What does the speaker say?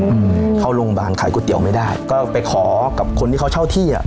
อืมเข้าโรงพยาบาลขายก๋วยเตี๋ยวไม่ได้ก็ไปขอกับคนที่เขาเช่าที่อ่ะ